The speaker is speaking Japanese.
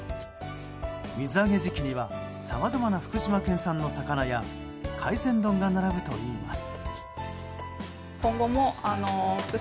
水揚げ時期にはさまざまな福島県産の魚や海鮮丼が並ぶといいます。